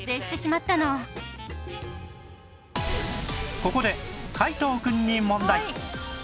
ここで皆藤くんに問題